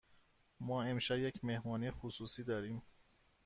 ما امشب یک مهمانی خصوصی داریم.